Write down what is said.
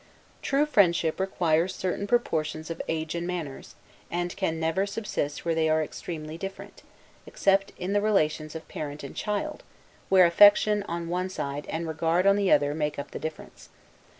True friendship requires certain proportions of age and manners, and can never subsist where they are extremely different, except in the relations of parent and child, where affection on one side, and regard on the other, make up the difference.